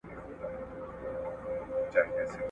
د ښار خلکو وو سل ځله آزمېیلی !.